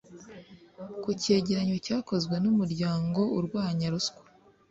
Ku cyegeranyo cyakozwe n’ umuryango urwanya ruswa